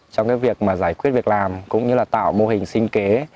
trong việc giải quyết việc làm cũng như tạo mô hình sinh kế